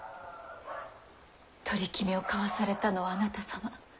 取り決めを交わされたのはあなた様。